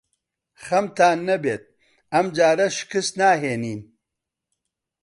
خەمتان نەبێت. ئەم جارە شکست ناهێنین.